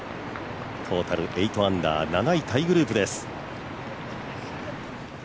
トータル８アンダー、７位タイグループです。